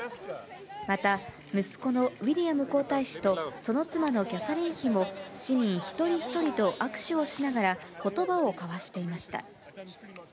また息子のウィリアム皇太子と、その妻のキャサリン妃も、市民一人一人と握手をしながらことばを交わしていました。